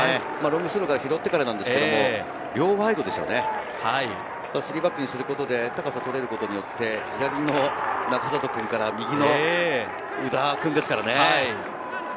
ロングスローを拾ってからなんですけれど、３バックにすることで高さを取れることによって、左の仲里君から右の夘田君ですからね。